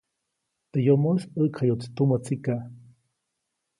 Teʼ yomoʼis ʼäʼkjayuʼtsi tumä tsikaʼ.